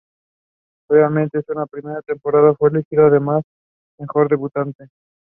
Only three of those seats were contested.